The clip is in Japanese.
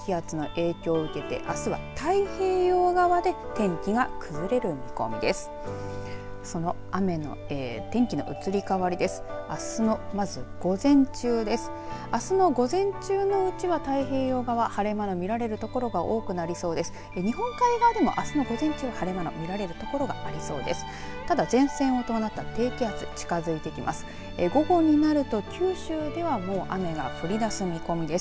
この低気圧の影響であすは太平洋側で天気が崩れる見込みです。